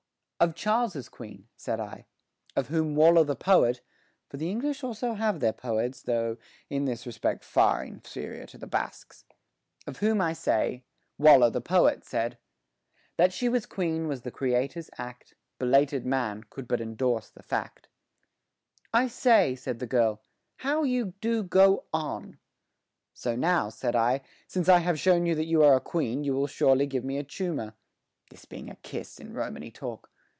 "Of Charles's queen," said I, "of whom Waller the poet (for the English also have their poets, though in this respect far inferior to the Basques) of whom, I say, Waller the poet said: That she was Queen was the Creator's act, Belated man could but endorse the fact." "I say!" cried the girl. "How you do go on!" "So now," said I, "since I have shown you that you are a queen you will surely give me a choomer" this being a kiss in Romany talk.